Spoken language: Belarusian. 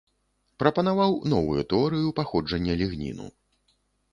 Прапанаваў новую тэорыю паходжання лігніну.